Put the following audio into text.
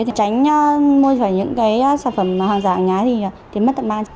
để tránh mua những cái sản phẩm hàng giả hàng nhái thì mất tận ban